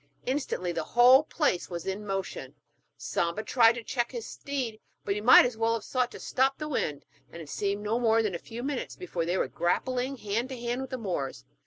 Instantly the whole place was in motion. Samba tried to check his steed, but he might as well have sought to stop the wind, and it seemed no more than a few minutes before they were grappling hand to hand with the Moors.